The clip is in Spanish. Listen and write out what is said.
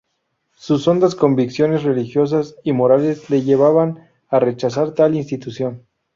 Sus hondas convicciones religiosas y morales le llevaban a rechazar tal institución.